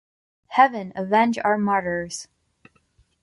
Heaven avenges our martyrs!